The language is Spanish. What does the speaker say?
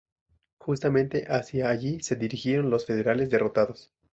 Justamente hacia allí se dirigieron los federales derrotados.